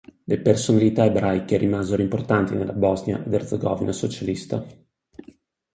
Le personalità ebraiche rimasero importanti nella Bosnia ed Erzegovina socialista.